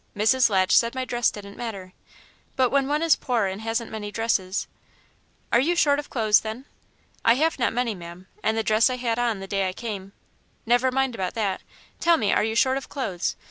Mrs. Latch said my dress didn't matter, but when one is poor and hasn't many dresses " "Are you short of clothes, then?" "I have not many, ma'am, and the dress I had on the day I came " "Never mind about that. Tell me, are you short of clothes?